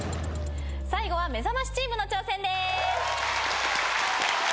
最後はめざましチームの挑戦です。